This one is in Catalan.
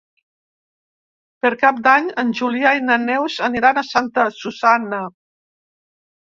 Per Cap d'Any en Julià i na Neus aniran a Santa Susanna.